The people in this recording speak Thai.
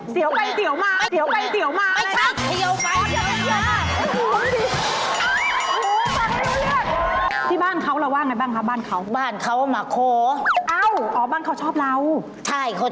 เสียวไปเสียวมาเสียวไปเสียวมาเลย